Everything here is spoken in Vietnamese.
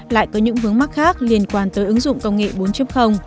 lại có những vướng mắc khác liên quan tới ứng dụng công nghệ bốn